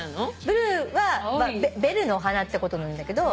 ブルーはベルの花ってことなんだけど。